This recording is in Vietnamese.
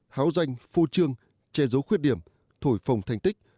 háo danh phô trương che giấu khuyết điểm thổi phồng thành tích